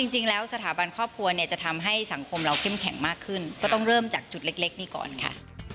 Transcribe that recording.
จริงแล้วสถาบันครอบครัวเนี่ยจะทำให้สังคมเราเข้มแข็งมากขึ้นก็ต้องเริ่มจากจุดเล็กนี้ก่อนค่ะ